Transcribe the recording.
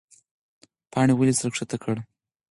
پاڼې ولې سر ښکته کړ؟